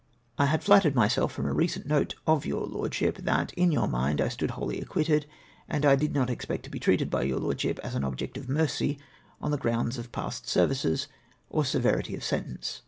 I had flattered myself, from a recent note of your Lordship, that, in your mind, I Stood wholly acquitted ; and I did not expect to be treated by your Lord ship as an object of mercy, on the grounds of past services, or severity of sentence.